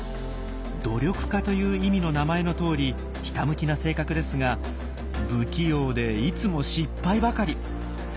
「努力家」という意味の名前のとおりひたむきな性格ですが不器用でいつも失敗ばかり。